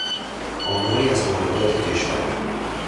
آماری از واردات کشور